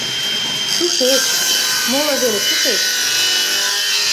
— Тушеч... моло вере кушеч?